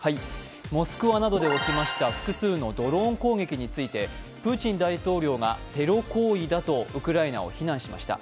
モスクワなどで起きました複数のドローン攻撃についてプーチン大統領がテロ行為だとウクライナを非難しました。